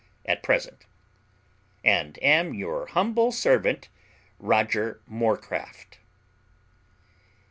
at present. And am your humble servant, ROGER MORCRAFT.